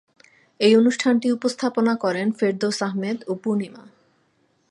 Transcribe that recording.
এই অনুষ্ঠানটি উপস্থাপনা করেন ফেরদৌস আহমেদ ও পূর্ণিমা।